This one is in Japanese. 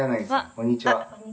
「こんにちは」